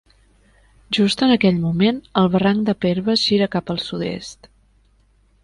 Just en aquell moment, el barranc de Perves gira cap al sud-est.